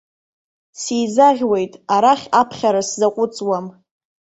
Сизаӷьуеит, арахь аԥхьара сзаҟәыҵуам.